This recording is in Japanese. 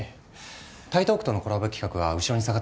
台東区とのコラボ企画は後ろに下がってます。